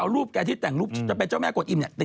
รูปแกที่แต่งรูปจะเป็นเจ้าแม่กวดอิ่มเนี่ย